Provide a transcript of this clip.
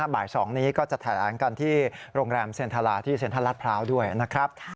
บ่าย๒นี้ก็จะแถลงกันที่โรงแรมเซ็นทราที่เซ็นทรัลลัดพร้าวด้วยนะครับ